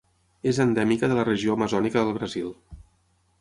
És endèmica de la regió amazònica del Brasil.